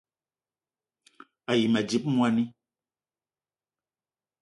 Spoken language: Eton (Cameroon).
A yi ma dzip moni